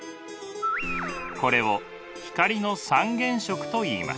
これを光の三原色といいます。